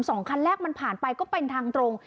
สองคันแรกมันผ่านไปก็เป็นทางตรง